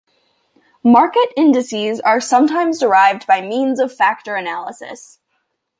Market indices are sometimes derived by means of factor analysis.